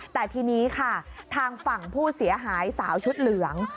แต่ทีนี้ค่ะทางฝั่งผู้เสียหายสาวชุดเหลือง